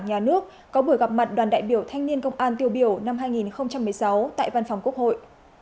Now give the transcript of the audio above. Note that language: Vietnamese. nhà nước có buổi gặp mặt đoàn đại biểu thanh niên công an tiêu biểu năm hai nghìn một mươi sáu tại văn phòng quốc hội